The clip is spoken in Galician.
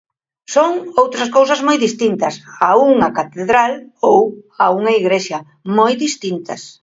Son outras cousas moi distintas a unha catedral ou a unha igrexa, moi distintas.